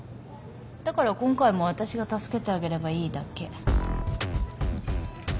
だから今回も私が助けてあげればいいだけ。